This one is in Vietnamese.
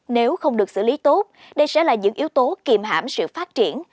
nếu không được xử lý tốt đây sẽ là những yếu tố kìm hãm sự phát triển